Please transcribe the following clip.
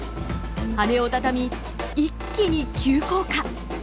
羽をたたみ一気に急降下！